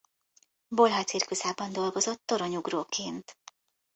Bolha cirkuszában dolgozott toronyugróként.